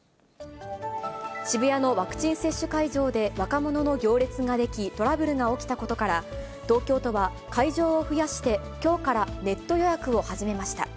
渋谷のワクチン接種会場で、若者の行列が出来、トラブルが起きたことから、東京都は会場を増やして、きょうからネット予約を始めました。